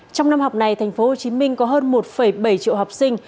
trong năm học này tp hcm có hơn một bảy triệu học sinh